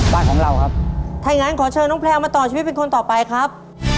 บ้านของเราครับถ้าอย่างนั้นขอเชิญน้องแพลวมาต่อชีวิตเป็นคนต่อไปครับ